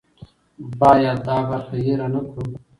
باید دا برخه هېره نه کړو.